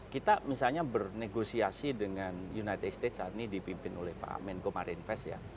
kita misalnya bernegosiasi dengan united states saat ini dipimpin oleh pak amin kumar invest